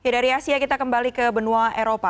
dari asia kita kembali ke benua eropa